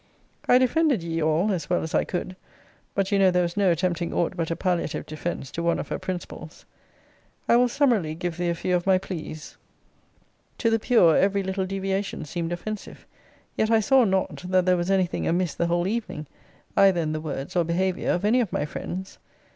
I defended ye all as well as I could: but you know there was no attempting aught but a palliative defence, to one of her principles. I will summarily give thee a few of my pleas. 'To the pure, every little deviation seemed offensive: yet I saw not, that there was any thing amiss the whole evening, either in the words or behaviour of any of my friends.